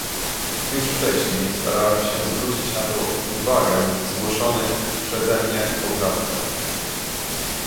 Już wcześniej starałem się zwrócić na to uwagę w zgłoszonych przeze mnie poprawkach